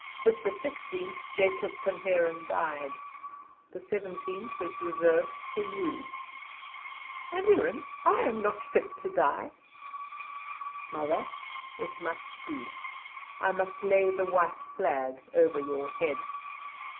With the sixteenth Jacob Van Heeren died. The seventeenth is reserved for you." "Aneurin! I am not fit to die." "Mother, it must be, I must lay the white flag over your head."